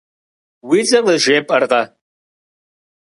Уи цӀэр къызжепӀэркъэ.